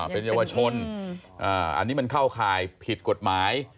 เป็นเยาวชนอันนี้มันเข้าข่ายผิดกฎหมาย